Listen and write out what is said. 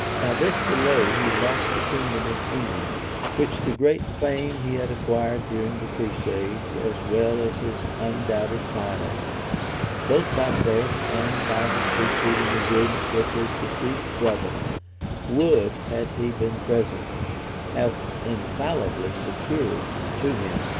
By this delay he lost the kingdom of England, which the great fame he had acquired during the crusades, as well as his undoubted title, both by birth and by the preceding agreement with his deceased brother, would, had he been present, have infallibly secured to him.